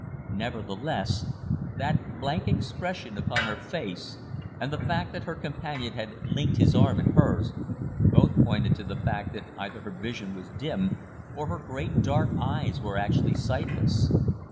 Nevertheless, that blank expression upon her face, and the fact that her companion had linked his arm in hers, both pointed to the fact that either her vision was dim, or her great dark eyes were actually sightless.